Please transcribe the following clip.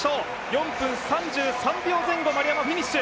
４分３３秒前後、丸山フィニッシュ。